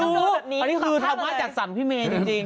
อันนี้คือธรรมะจัดสรรพี่เมย์จริง